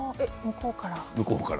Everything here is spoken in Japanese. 向こうから？